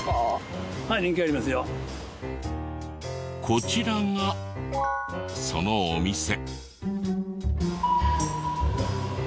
こちらがそのお店。